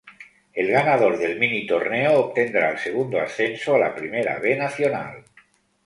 El ganador del minitorneo obtendrá el segundo ascenso a la Primera B Nacional.